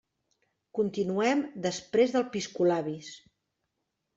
Continuem després del piscolabis.